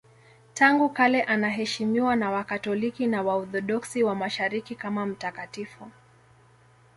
Tangu kale anaheshimiwa na Wakatoliki na Waorthodoksi wa Mashariki kama mtakatifu.